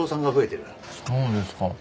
そうですか。